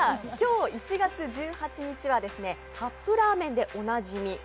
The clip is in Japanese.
今日１月１８日はカップラーメンでおなじみ